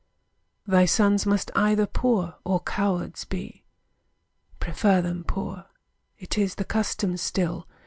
Thy sons must either poor, or cowards be. Prefer them poor. It is the custom still.